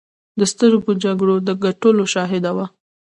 د سترو جګړو د ګټلو شاهده وه.